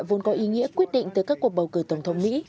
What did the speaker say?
vốn có ý nghĩa quyết định từ các cuộc bầu cử tổng thống mỹ